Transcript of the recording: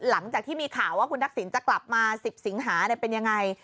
หลังจากที่มีข่าวว่าคุณทักษิณจะกลับมา๑๐สิงหาเป็นยังไง